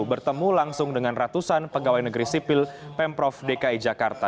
bertemu langsung dengan ratusan pegawai negeri sipil pemprov dki jakarta